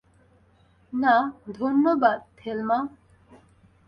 না, ধন্যবাদ, থেলমা।